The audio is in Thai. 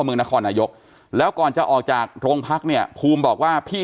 เมืองนครนายกแล้วก่อนจะออกจากโรงพักเนี่ยภูมิบอกว่าพี่